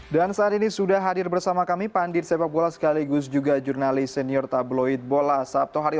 dan saat ini sudah hadir bersama kami pandit sepak bola sekaligus juga jurnalis senior tabloid bola sabtohari